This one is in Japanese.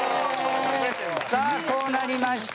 さあこうなりました！